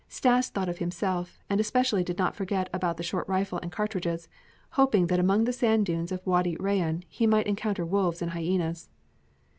Stas thought of himself, and especially did not forget about the short rifle and cartridges, hoping that among the sand dunes of Wâdi Rayân he might encounter wolves and hyenas.